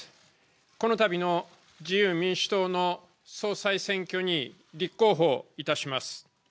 このたびの自由民主党の総裁選挙に立候補いたします。